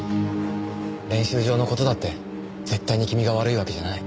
練習場の事だって絶対に君が悪いわけじゃない。